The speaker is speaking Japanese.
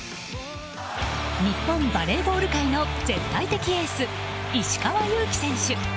日本バレーボール界の絶対的エース、石川祐希選手。